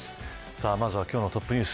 まずは今日のトップニュース。